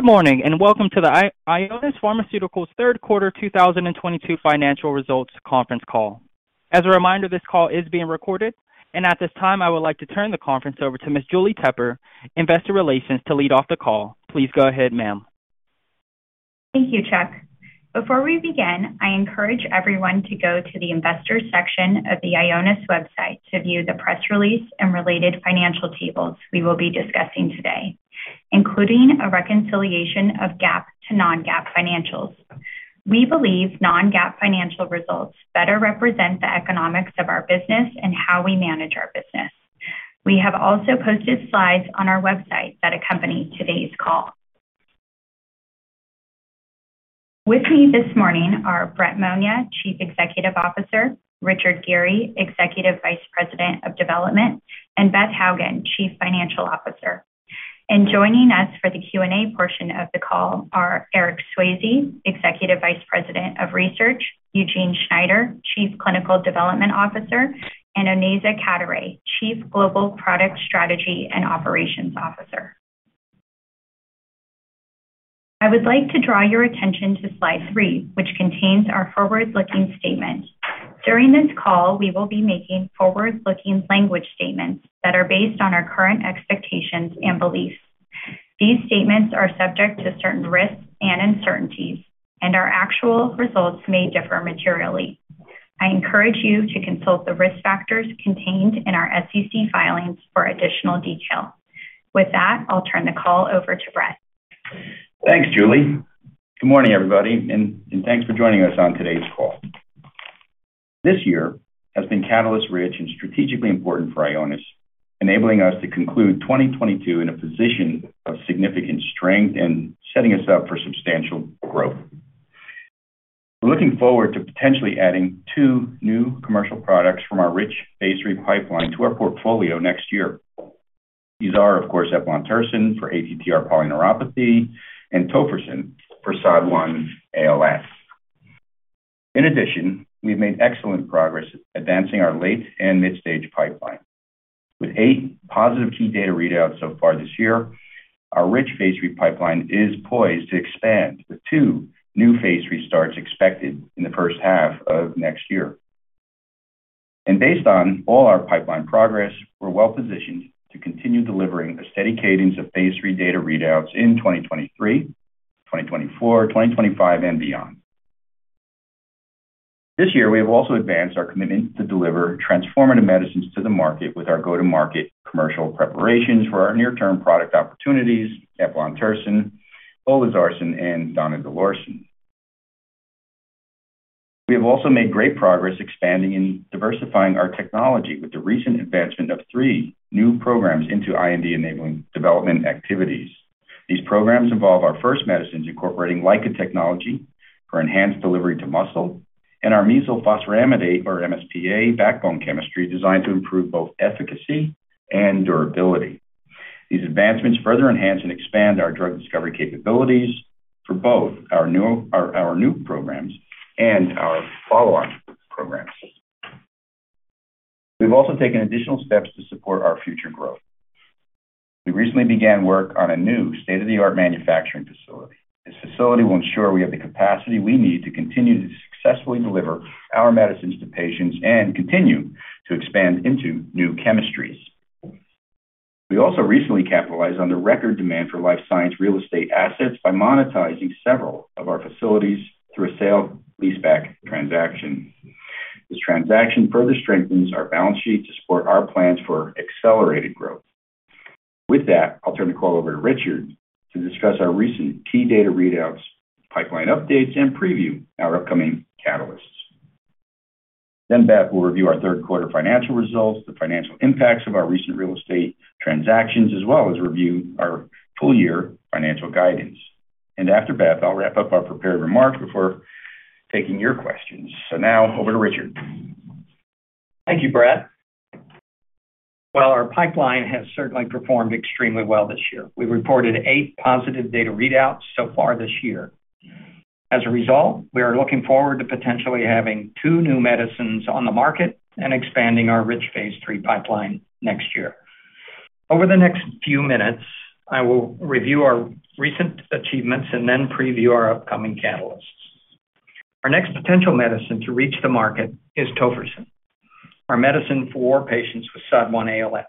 Good morning, and welcome to the Ionis Pharmaceuticals third quarter 2022 financial results conference call. As a reminder, this call is being recorded. At this time, I would like to turn the conference over to Ms. Julie Tepper, Investor Relations, to lead off the call. Please go ahead, ma'am. Thank you, Chuck. Before we begin, I encourage everyone to go to the investors section of the Ionis website to view the press release and related financial tables we will be discussing today, including a reconciliation of GAAP to non-GAAP financials. We believe non-GAAP financial results better represent the economics of our business and how we manage our business. We have also posted slides on our website that accompany today's call. With me this morning are Brett Monia, Chief Executive Officer, Richard Geary, Executive Vice President of Development, and Elizabeth Hougen, Chief Financial Officer. Joining us for the Q&A portion of the call are Eric Swayze, Executive Vice President of Research, Eugene Schneider, Chief Clinical Development Officer, and Onaiza Cadoret-Manier, Chief Global Product Strategy and Operations Officer. I would like to draw your attention to slide three, which contains our forward-looking statement. During this call, we will be making forward-looking language statements that are based on our current expectations and beliefs. These statements are subject to certain risks and uncertainties, and our actual results may differ materially. I encourage you to consult the risk factors contained in our SEC filings for additional detail. With that, I'll turn the call over to Brett. Thanks, Julie. Good morning, everybody, and thanks for joining us on today's call. This year has been catalyst-rich and strategically important for Ionis, enabling us to conclude 2022 in a position of significant strength and setting us up for substantial growth. We're looking forward to potentially adding 2 new commercial products from our rich phase III pipeline to our portfolio next year. These are, of course, eplontersen for ATTR polyneuropathy and tofersen for SOD1-ALS. In addition, we've made excellent progress advancing our late and mid-stage pipeline. With 8 positive key data readouts so far this year, our rich phase III pipeline is poised to expand, with 2 new phase 3 starts expected in the first half of next year. Based on all our pipeline progress, we're well-positioned to continue delivering a steady cadence of phase III data readouts in 2023, 2024, 2025, and beyond. This year, we have also advanced our commitment to deliver transformative medicines to the market with our go-to-market commercial preparations for our near-term product opportunities, eplontersen, olezarsen, and donidalorsen. We have also made great progress expanding and diversifying our technology with the recent advancement of three new programs into IND-enabling development activities. These programs involve our first medicines incorporating LICA technology for enhanced delivery to muscle, and our mesylphosphoramidate or MSPA backbone chemistry designed to improve both efficacy and durability. These advancements further enhance and expand our drug discovery capabilities for both our new programs and our follow-on programs. We've also taken additional steps to support our future growth. We recently began work on a new state-of-the-art manufacturing facility. This facility will ensure we have the capacity we need to continue to successfully deliver our medicines to patients and continue to expand into new chemistries. We also recently capitalized on the record demand for life science real estate assets by monetizing several of our facilities through a sale leaseback transaction. This transaction further strengthens our balance sheet to support our plans for accelerated growth. With that, I'll turn the call over to Richard to discuss our recent key data readouts, pipeline updates, and preview our upcoming catalysts. Beth will review our third quarter financial results, the financial impacts of our recent real estate transactions, as well as review our full year financial guidance. After Beth, I'll wrap up our prepared remarks before taking your questions. Now over to Richard. Thank you, Brett. Well, our pipeline has certainly performed extremely well this year. We've reported eight positive data readouts so far this year. As a result, we are looking forward to potentially having two new medicines on the market and expanding our rich phase 3 pipeline next year. Over the next few minutes, I will review our recent achievements and then preview our upcoming catalysts. Our next potential medicine to reach the market is tofersen, our medicine for patients with SOD1-ALS.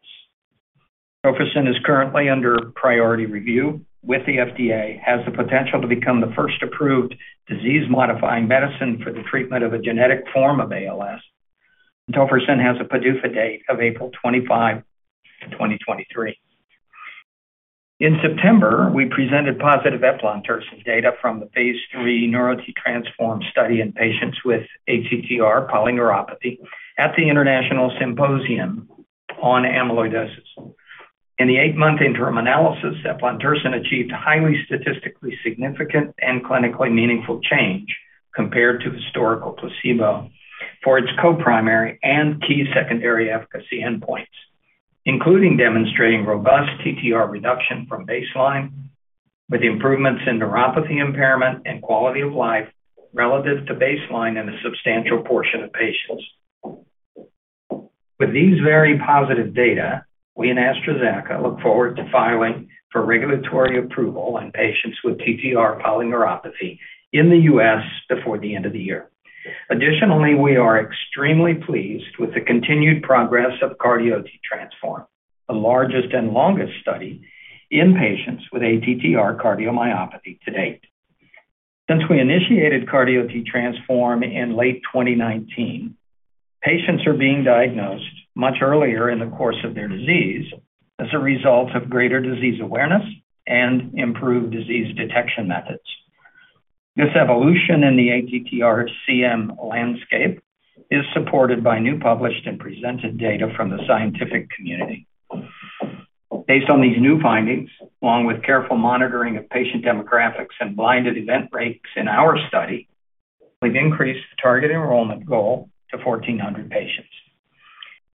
Tofersen is currently under priority review with the FDA, has the potential to become the first approved disease-modifying medicine for the treatment of a genetic form of ALS. Tofersen has a PDUFA date of April 25, 2023. In September, we presented positive eplontersen data from the phase 3 NEURO-TTRansform study in patients with ATTR polyneuropathy at the International Symposium on Amyloidosis. In the eight-month interim analysis, eplontersen achieved highly statistically significant and clinically meaningful change compared to historical placebo for its co-primary and key secondary efficacy endpoints, including demonstrating robust TTR reduction from baseline, with improvements in neuropathy impairment and quality of life relative to baseline in a substantial portion of patients. With these very positive data, we and AstraZeneca look forward to filing for regulatory approval in patients with TTR polyneuropathy in the U.S. before the end of the year. Additionally, we are extremely pleased with the continued progress of CARDIO-TTRansform, the largest and longest study in patients with ATTR cardiomyopathy to date. Since we initiated CARDIO-TTRansform in late 2019, patients are being diagnosed much earlier in the course of their disease as a result of greater disease awareness and improved disease detection methods. This evolution in the ATTRCM landscape is supported by new published and presented data from the scientific community. Based on these new findings, along with careful monitoring of patient demographics and blinded event rates in our study, we've increased the target enrollment goal to 1,400 patients.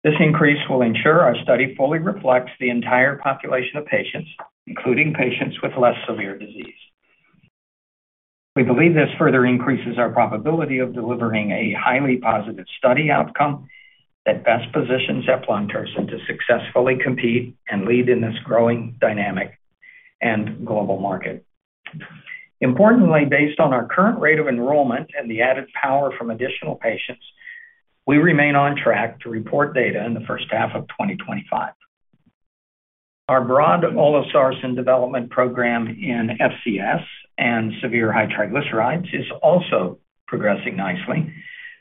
This increase will ensure our study fully reflects the entire population of patients, including patients with less severe disease. We believe this further increases our probability of delivering a highly positive study outcome that best positions eplontersen to successfully compete and lead in this growing dynamic and global market. Importantly, based on our current rate of enrollment and the added power from additional patients, we remain on track to report data in the first half of 2025. Our broad olezarsen development program in FCS and severe hypertriglyceridemia is also progressing nicely.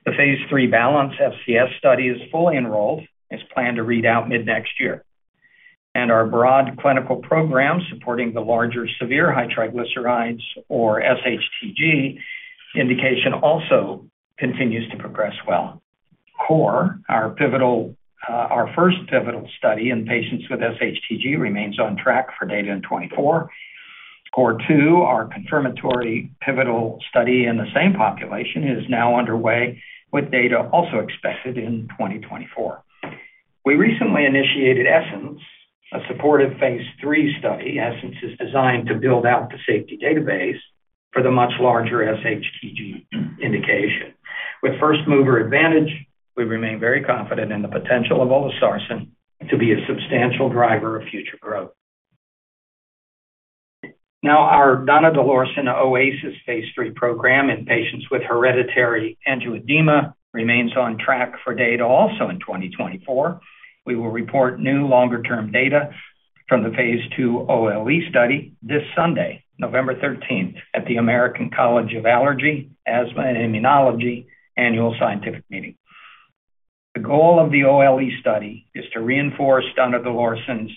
The phase 3 BALANCE FCS study is fully enrolled, is planned to read out mid-next year. Our broad clinical program supporting the larger severe high triglycerides or SHTG indication also continues to progress well. CORE, our first pivotal study in patients with SHTG remains on track for data in 2024. CORE2, our confirmatory pivotal study in the same population, is now underway with data also expected in 2024. We recently initiated ESSENCE, a supportive phase 3 study. ESSENCE is designed to build out the safety database for the much larger SHTG indication. With first-mover advantage, we remain very confident in the potential of olezarsen to be a substantial driver of future growth. Now, our donidalorsen OASIS phase 3 program in patients with hereditary angioedema remains on track for data also in 2024. We will report new longer-term data from the phase 2 OLE study this Sunday, November 13th, at the American College of Allergy, Asthma, and Immunology annual scientific meeting. The goal of the OLE study is to reinforce donidalorsen's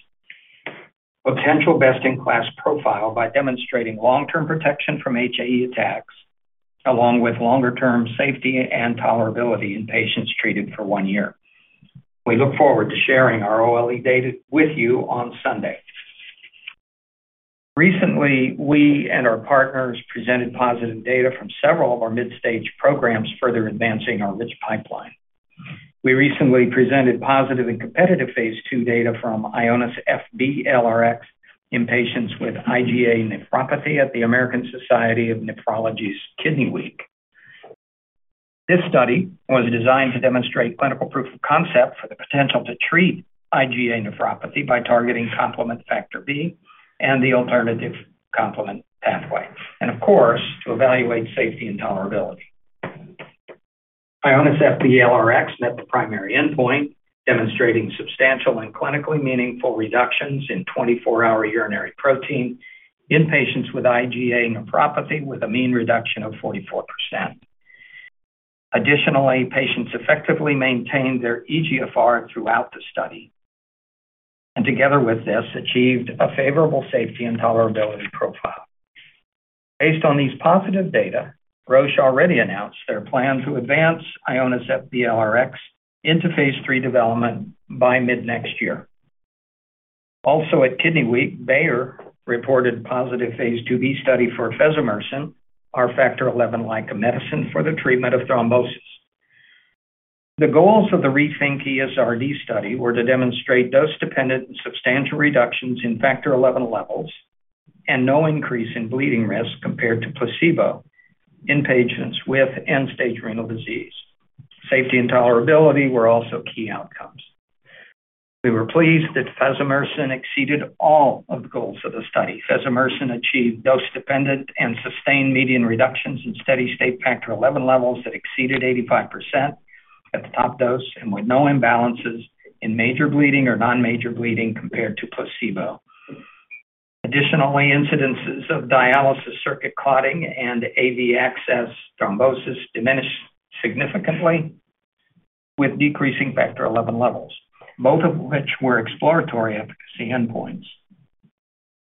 potential best-in-class profile by demonstrating long-term protection from HAE attacks, along with longer-term safety and tolerability in patients treated for one year. We look forward to sharing our OLE data with you on Sunday. Recently, we and our partners presented positive data from several of our mid-stage programs further advancing our rich pipeline. We recently presented positive and competitive phase 2 data from IONIS-FB-LRx in patients with IgA nephropathy at the American Society of Nephrology's Kidney Week. This study was designed to demonstrate clinical proof of concept for the potential to treat IgA nephropathy by targeting complement factor B and the alternative complement pathway, and of course, to evaluate safety and tolerability. IONIS-FB-LRx met the primary endpoint, demonstrating substantial and clinically meaningful reductions in 24-hour urinary protein in patients with IgA nephropathy, with a mean reduction of 44%. Additionally, patients effectively maintained their eGFR throughout the study and together with this, achieved a favorable safety and tolerability profile. Based on these positive data, Roche already announced their plan to advance IONIS-FB-LRx into phase 3 development by mid-next year. Also at Kidney Week, Bayer reported positive phase 2b study for fesomersen, our Factor XI LICA medicine for the treatment of thrombosis. The goals of the RE-THINC ESRD study were to demonstrate dose-dependent and substantial reductions in factor eleven levels and no increase in bleeding risk compared to placebo in patients with end-stage renal disease. Safety and tolerability were also key outcomes. We were pleased that fesomersen exceeded all of the goals of the study. Fesomersen achieved dose-dependent and sustained median reductions in steady state factor eleven levels that exceeded 85% at the top dose and with no imbalances in major bleeding or non-major bleeding compared to placebo. Additionally, incidences of dialysis circuit clotting and AV access thrombosis diminished significantly with decreasing factor eleven levels, both of which were exploratory efficacy endpoints.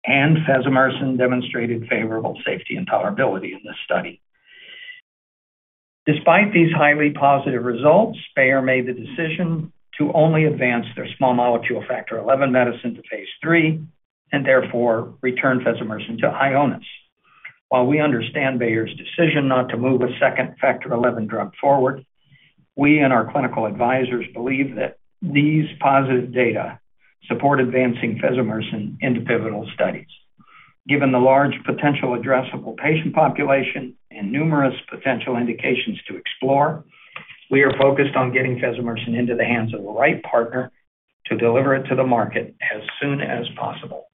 Fesomersen demonstrated favorable safety and tolerability in this study. Despite these highly positive results, Bayer made the decision to only advance their small molecule factor eleven medicine to phase 3 and therefore returned fesomersen to Ionis. While we understand Bayer's decision not to move a second Factor XI drug forward, we and our clinical advisors believe that these positive data support advancing fesomersen into pivotal studies. Given the large potential addressable patient population and numerous potential indications to explore, we are focused on getting fesomersen into the hands of the right partner to deliver it to the market as soon as possible.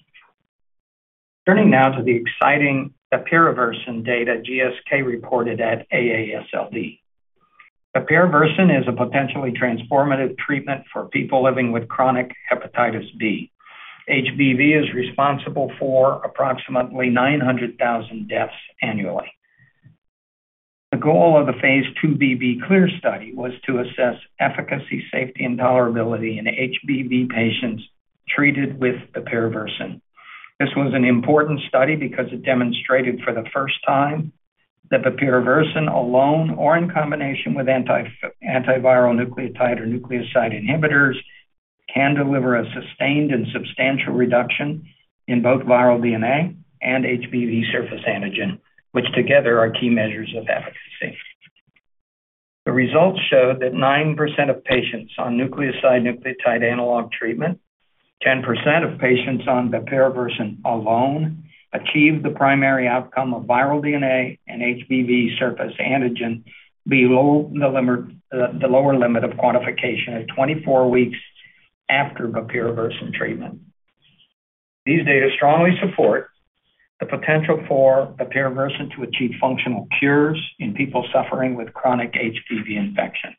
Turning now to the exciting bepirovirsen data GSK reported at AASLD. Bepirovirsen is a potentially transformative treatment for people living with chronic hepatitis B. HBV is responsible for approximately 900,000 deaths annually. The goal of the Phase 2b B-CLEAR study was to assess efficacy, safety, and tolerability in HBV patients treated with bepirovirsen. This was an important study because it demonstrated for the first time that bepirovirsen alone or in combination with antiviral nucleoside or nucleotide inhibitors can deliver a sustained and substantial reduction in both viral DNA and HBV surface antigen, which together are key measures of efficacy. The results show that 9% of patients on nucleoside/nucleotide analog treatment, 10% of patients on bepirovirsen alone achieved the primary outcome of viral DNA and HBV surface antigen below the limit, the lower limit of quantification at 24 weeks after bepirovirsen treatment. These data strongly support the potential for bepirovirsen to achieve functional cures in people suffering with chronic HBV infection.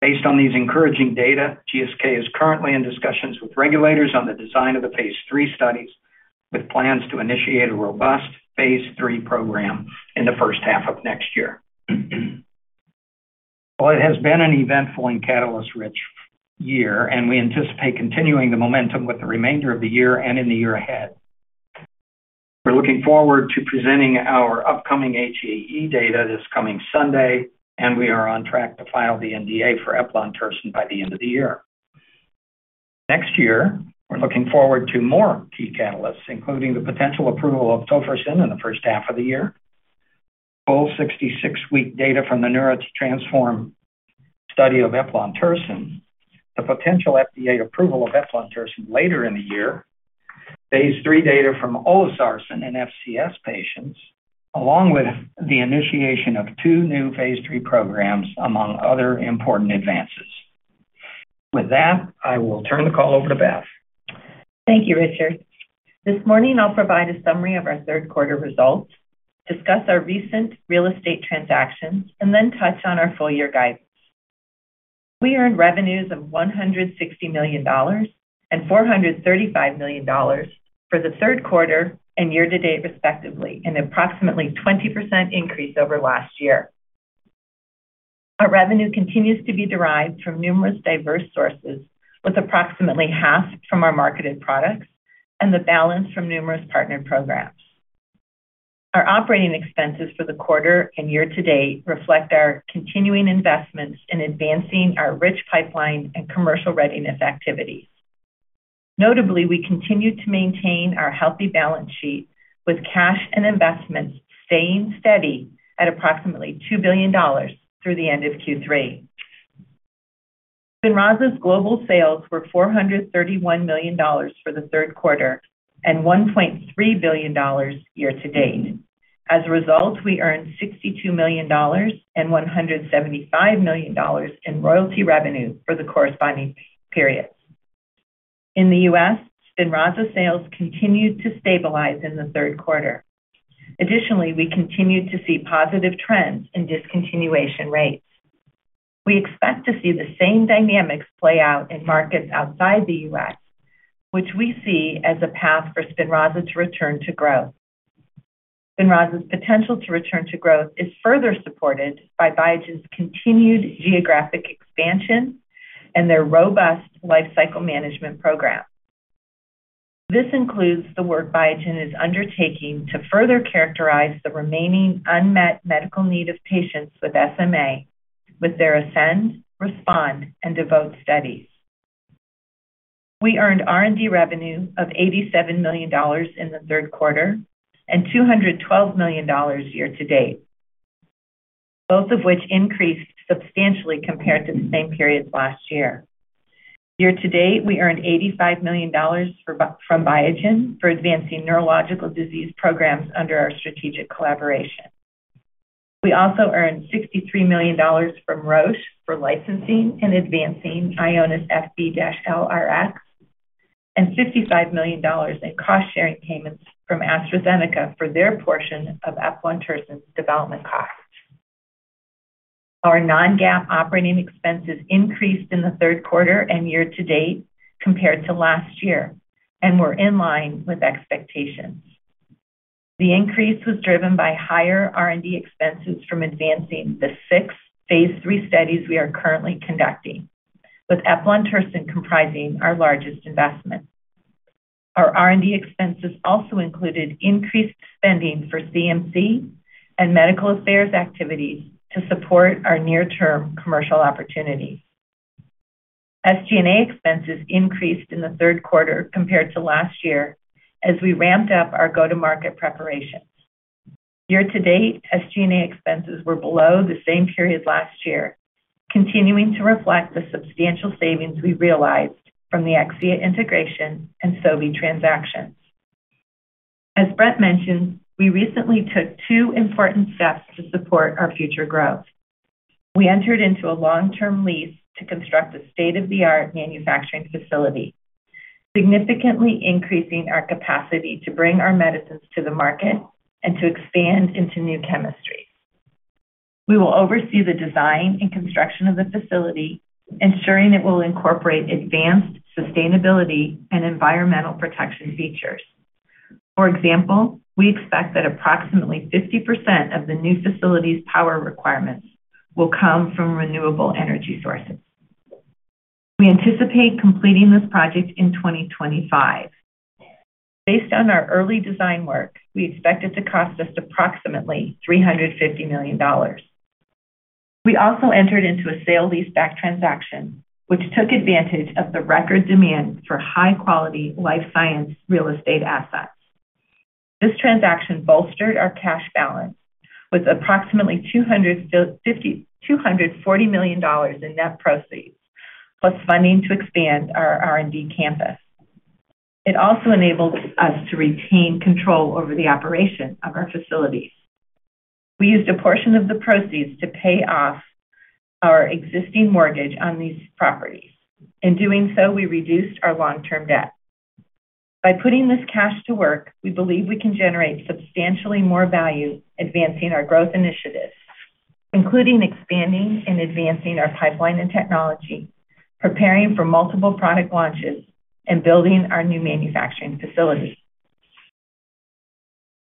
Based on these encouraging data, GSK is currently in discussions with regulators on the design of the phase 3 studies, with plans to initiate a robust phase 3 program in the first half of next year. Well, it has been an eventful and catalyst-rich year, and we anticipate continuing the momentum with the remainder of the year and in the year ahead. We're looking forward to presenting our upcoming HAE data this coming Sunday, and we are on track to file the NDA for eplontersen by the end of the year. Next year, we're looking forward to more key catalysts, including the potential approval of tofersen in the first half of the year. Full 66-week data from the NEURO-TTRansform study of eplontersen. The potential FDA approval of eplontersen later in the year. Phase 3 data from olezarsen in FCS patients, along with the initiation of two new phase 3 programs, among other important advances. With that, I will turn the call over to Beth. Thank you, Richard. This morning I'll provide a summary of our third quarter results, discuss our recent real estate transactions, and then touch on our full year guidance. We earned revenues of $160 million and $435 million for the third quarter and year to date, respectively, an approximately 20% increase over last year. Our revenue continues to be derived from numerous diverse sources with approximately half from our marketed products and the balance from numerous partner programs. Our operating expenses for the quarter and year-to-date reflect our continuing investments in advancing our rich pipeline and commercial readiness activities. Notably, we continue to maintain our healthy balance sheet with cash and investments staying steady at approximately $2 billion through the end of Q3. Spinraza's global sales were $431 million for the third quarter and $1.3 billion year-to-date. As a result, we earned $62 million and $175 million in royalty revenue for the corresponding period. In the US, Spinraza sales continued to stabilize in the third quarter. Additionally, we continued to see positive trends in discontinuation rates. We expect to see the same dynamics play out in markets outside the US, which we see as a path for Spinraza to return to growth. Spinraza's potential to return to growth is further supported by Biogen's continued geographic expansion and their robust lifecycle management program. This includes the work Biogen is undertaking to further characterize the remaining unmet medical need of patients with SMA with their ASCEND, RESPOND and DEVOTE studies. We earned R&D revenue of $87 million in the third quarter and $212 million year-to-date, both of which increased substantially compared to the same periods last year. Year-to-date, we earned $85 million from Biogen for advancing neurological disease programs under our strategic collaboration. We also earned $63 million from Roche for licensing and advancing IONIS-FB-LRx and $55 million in cost-sharing payments from AstraZeneca for their portion of eplontersen's development costs. Our non-GAAP operating expenses increased in the third quarter and year to date compared to last year and were in line with expectations. The increase was driven by higher R&D expenses from advancing the six phase 3 studies we are currently conducting, with eplontersen comprising our largest investment. Our R&D expenses also included increased spending for CMC and medical affairs activities to support our near-term commercial opportunities. SG&A expenses increased in the third quarter compared to last year as we ramped up our go-to-market preparation. Year-to-date, SG&A expenses were below the same period last year, continuing to reflect the substantial savings we realized from the Akcea integration and Sobi transactions. As Brett mentioned, we recently took two important steps to support our future growth. We entered into a long-term lease to construct a state-of-the-art manufacturing facility, significantly increasing our capacity to bring our medicines to the market and to expand into new chemistry. We will oversee the design and construction of the facility, ensuring it will incorporate advanced sustainability and environmental protection features. For example, we expect that approximately 50% of the new facility's power requirements will come from renewable energy sources. We anticipate completing this project in 2025. Based on our early design work, we expect it to cost us approximately $350 million. We also entered into a sale leaseback transaction, which took advantage of the record demand for high-quality life science real estate assets. This transaction bolstered our cash balance with approximately $240 million in net proceeds, plus funding to expand our R&D campus. It also enabled us to retain control over the operation of our facilities. We used a portion of the proceeds to pay off our existing mortgage on these properties. In doing so, we reduced our long-term debt. By putting this cash to work, we believe we can generate substantially more value advancing our growth initiatives, including expanding and advancing our pipeline and technology, preparing for multiple product launches, and building our new manufacturing facility.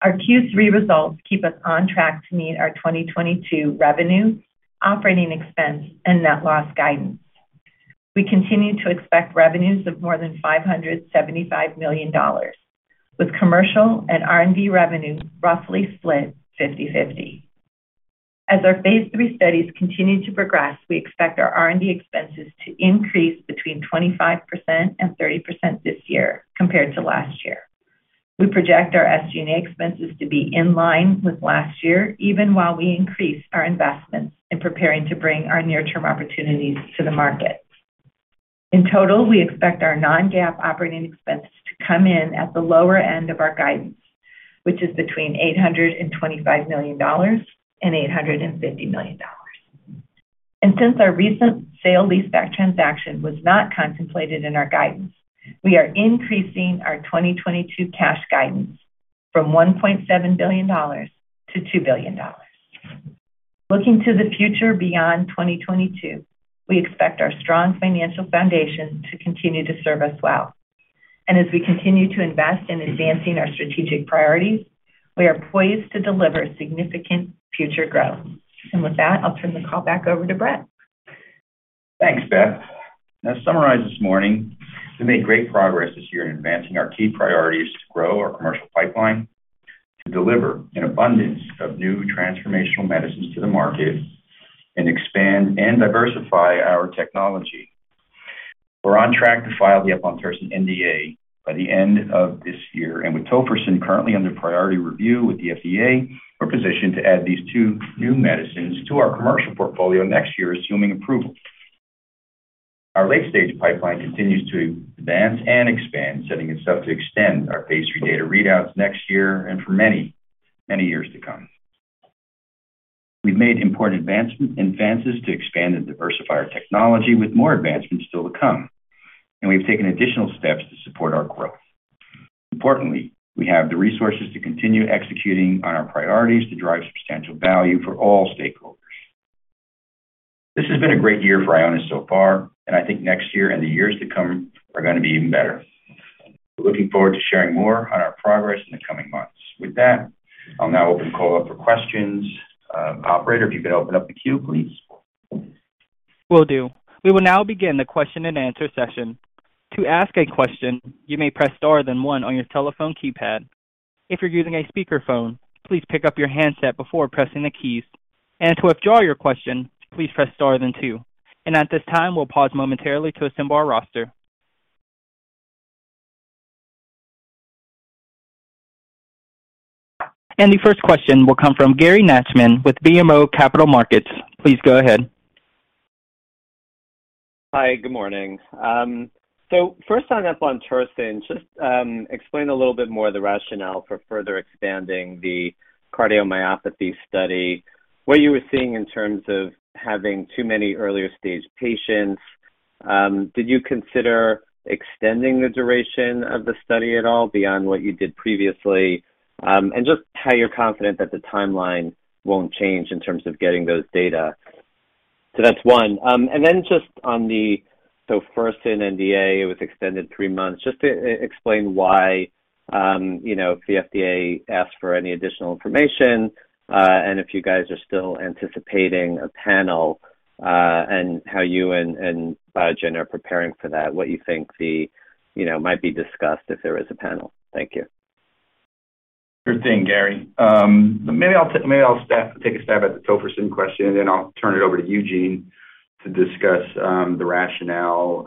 Our Q3 results keep us on track to meet our 2022 revenue, operating expense, and net loss guidance. We continue to expect revenues of more than $575 million, with commercial and R&D revenues roughly split 50/50. As our phase 3 studies continue to progress, we expect our R&D expenses to increase between 25% and 30% this year compared to last year. We project our SG&A expenses to be in line with last year, even while we increase our investments in preparing to bring our near-term opportunities to the market. In total, we expect our non-GAAP operating expenses to come in at the lower end of our guidance, which is between $825 million and $850 million. Since our recent sale leaseback transaction was not contemplated in our guidance, we are increasing our 2022 cash guidance from $1.7 billion to $2 billion. Looking to the future beyond 2022, we expect our strong financial foundation to continue to serve us well. As we continue to invest in advancing our strategic priorities, we are poised to deliver significant future growth. With that, I'll turn the call back over to Brett. Thanks, Beth. As summarized this morning, we made great progress this year in advancing our key priorities to grow our commercial pipeline, to deliver an abundance of new transformational medicines to the market, and expand and diversify our technology. We're on track to file the eplontersen NDA by the end of this year, and with tofersen currently under priority review with the FDA, we're positioned to add these two new medicines to our commercial portfolio next year, assuming approval. Our late-stage pipeline continues to advance and expand, setting itself to extend our phase 3 data readouts next year and for many, many years to come. We've made important advances to expand and diversify our technology with more advancements still to come, and we've taken additional steps to support our growth. Importantly, we have the resources to continue executing on our priorities to drive substantial value for all stakeholders. This has been a great year for Ionis so far, and I think next year and the years to come are going to be even better. We're looking forward to sharing more on our progress in the coming months. With that, I'll now open the call up for questions. Operator, if you could open up the queue, please. Will do. We will now begin the question-and-answer session. To ask a question, you may press star then one on your telephone keypad. If you're using a speakerphone, please pick up your handset before pressing the keys. To withdraw your question, please press star then two. At this time, we'll pause momentarily to assemble our roster. The first question will come from Gary Nachman with BMO Capital Markets. Please go ahead. Hi. Good morning. First on eplontersen, just explain a little bit more the rationale for further expanding the cardiomyopathy study, what you were seeing in terms of having too many earlier-stage patients. Did you consider extending the duration of the study at all beyond what you did previously? And just how you're confident that the timeline won't change in terms of getting those data. That's one. And then just on the tofersen NDA, it was extended 3 months. Just explain why, you know, if the FDA asked for any additional information, and if you guys are still anticipating a panel, and how you and Biogen are preparing for that, what you think the, you know, might be discussed if there is a panel. Thank you. Sure thing, Gary. Maybe I'll take a stab at the tofersen question, then I'll turn it over to Eugene to discuss the rationale,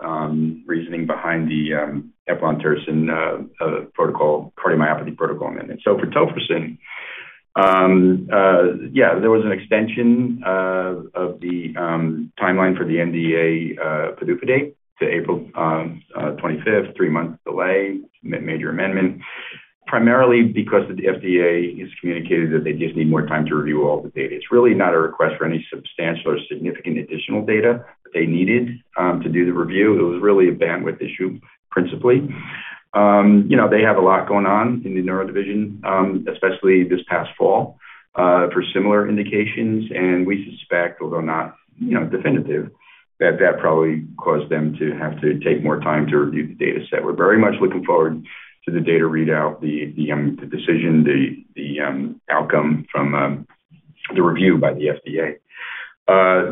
reasoning behind the eplontersen protocol, cardiomyopathy protocol amendment. For tofersen, yeah, there was an extension of the timeline for the NDA PDUFA date to April 25, 3-month delay, major amendment. Primarily because the FDA has communicated that they just need more time to review all the data. It's really not a request for any substantial or significant additional data that they needed to do the review. It was really a bandwidth issue principally. You know, they have a lot going on in the neuro division, especially this past fall, for similar indications. We suspect, although not, you know, definitive, that that probably caused them to have to take more time to review the dataset. We're very much looking forward to the data readout, the decision, the outcome from the review by the FDA.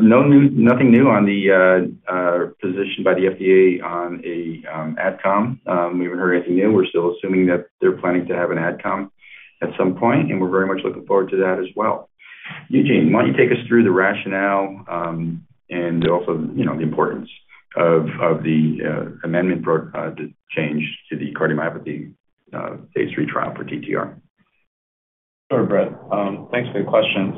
Nothing new on the position by the FDA on a AdCom. We haven't heard anything new. We're still assuming that they're planning to have an AdCom at some point, and we're very much looking forward to that as well. Eugene, why don't you take us through the rationale, and also, you know, the importance of the change to the cardiomyopathy phase three trial for TTR? Sure, Brett. Thanks for your question.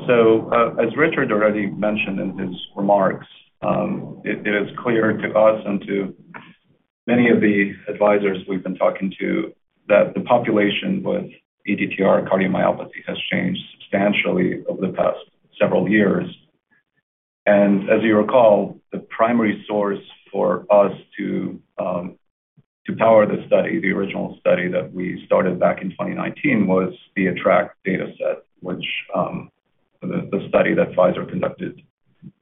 As Richard already mentioned in his remarks, it is clear to us and to many of the advisors we've been talking to that the population with ATTR cardiomyopathy has changed substantially over the past several years. As you recall, the primary source for us to power the study, the original study that we started back in 2019 was the ATTRACT dataset, which the study that Pfizer conducted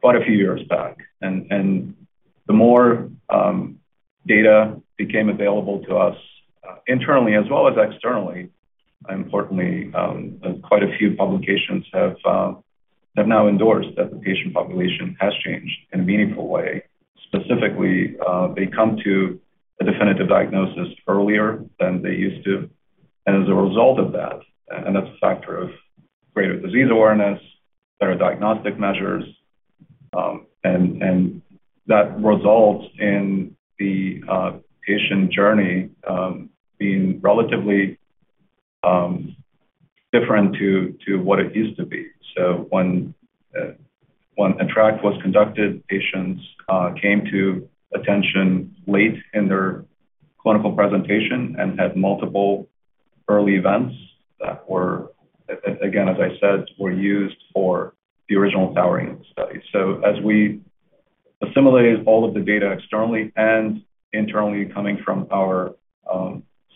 quite a few years back. The more data became available to us, internally as well as externally, and importantly, quite a few publications have now endorsed that the patient population has changed in a meaningful way. Specifically, they come to a definitive diagnosis earlier than they used to. As a result of that's a factor of greater disease awareness, better diagnostic measures, and that results in the patient journey being relatively different to what it used to be. When ATTRACT was conducted, patients came to attention late in their clinical presentation and had multiple early events that were again, as I said, used for the original powering of the study. As we assimilated all of the data externally and internally coming from our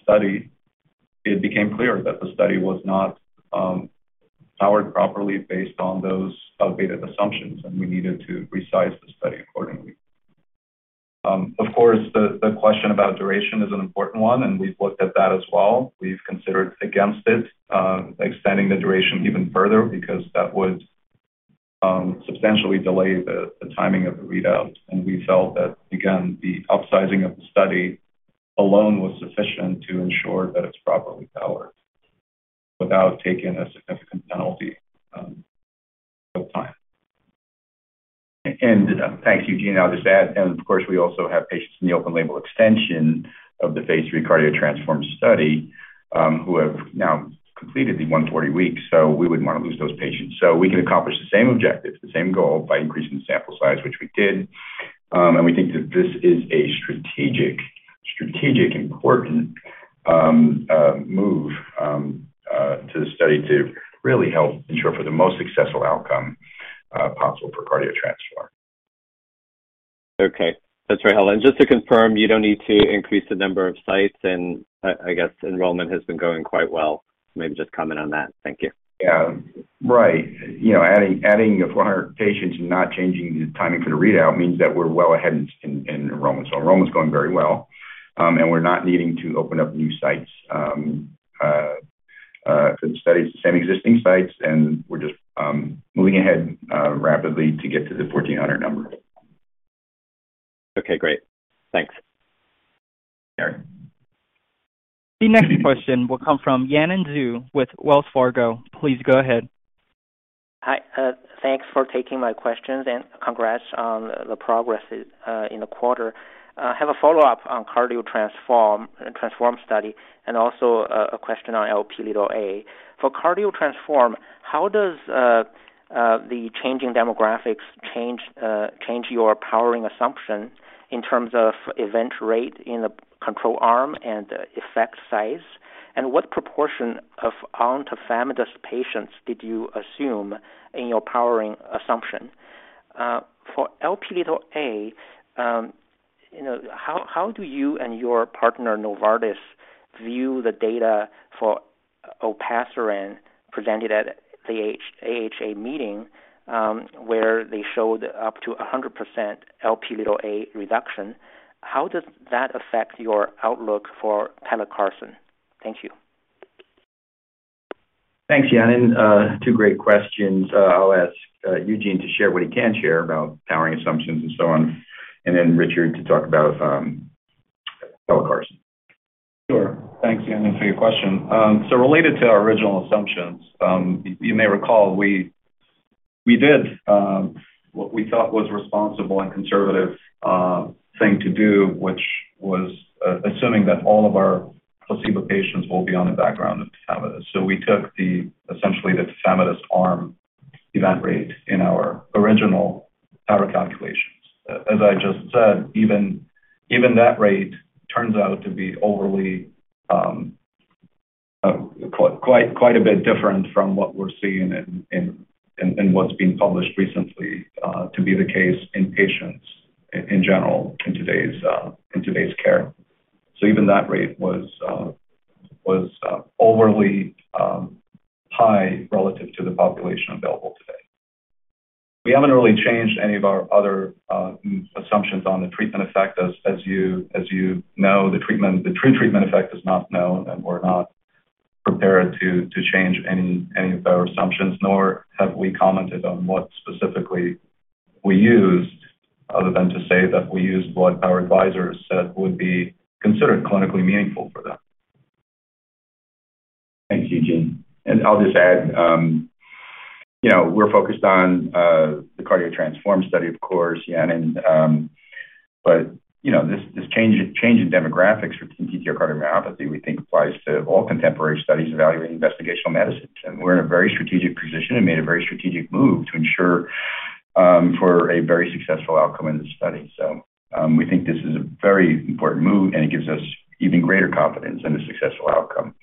study, it became clear that the study was not powered properly based on those outdated assumptions, and we needed to resize the study accordingly. Of course, the question about duration is an important one, and we've looked at that as well. We've considered against it, extending the duration even further because that would substantially delay the timing of the readout. We felt that, again, the upsizing of the study alone was sufficient to ensure that it's properly powered without taking a significant penalty of time. Thanks, Eugene. I'll just add, and of course, we also have patients in the open label extension of the phase 3 CARDIO-TTRansform study who have now completed the 140 weeks, so we wouldn't wanna lose those patients. We can accomplish the same objectives, the same goal by increasing the sample size, which we did. We think that this is a strategic, important move to the study to really help ensure for the most successful outcome possible for CARDIO-TTRansform. Okay. That's very helpful. Just to confirm, you don't need to increase the number of sites and, I guess enrollment has been going quite well. Maybe just comment on that. Thank you. Yeah. Right. You know, adding 400 patients and not changing the timing for the readout means that we're well ahead in enrollment. Enrollment's going very well. We're not needing to open up new sites for the study. Same existing sites, and we're just moving ahead rapidly to get to the 1400 number. Okay, great. Thanks. Sure. The next question will come from Yanan Zhu with Wells Fargo. Please go ahead. Hi, thanks for taking my questions and congrats on the progress in the quarter. Have a follow-up on CARDIO-TTRansform study and also a question on Lp(a). For CARDIO-TTRansform, how does the changing demographics change your powering assumption in terms of event rate in the control arm and effect size? And what proportion of on tafamidis patients did you assume in your powering assumption? For Lp(a), you know, how do you and your partner, Novartis, view the data for olpasiran presented at the AHA meeting, where they showed up to 100% Lp(a) reduction? How does that affect your outlook for pelacarsen? Thank you. Thanks, Yanan. Two great questions. I'll ask Eugene to share what he can share about powering assumptions and so on, and then Richard to talk about pelacarsen. Sure. Thanks, Yanan, for your question. Related to our original assumptions, you may recall we did what we thought was responsible and conservative thing to do, which was assuming that all of our placebo patients will be on the background of tafamidis. We took essentially the tafamidis arm event rate in our original power calculations. As I just said, even that rate turns out to be overly quite a bit different from what we're seeing in what's been published recently to be the case in patients in general in today's care. Even that rate was overly high relative to the population available today. We haven't really changed any of our other assumptions on the treatment effect. As you know, the true treatment effect is not known, and we're not prepared to change any of our assumptions, nor have we commented on what specifically we used other than to say that we used what our advisors said would be considered clinically meaningful for them. Thanks, Eugene. I'll just add, you know, we're focused on the CARDIO-TTRansform study, of course, Yanan, but, you know, this change in demographics for TTR cardiomyopathy, we think, applies to all contemporary studies evaluating investigational medicines. We're in a very strategic position and made a very strategic move to ensure for a very successful outcome in the study. We think this is a very important move, and it gives us even greater confidence in a successful outcome.